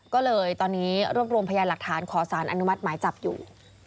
ก็เลยตอนนี้รวบรวมพยานหลักฐานขอสารอนุมัติหมายจับอยู่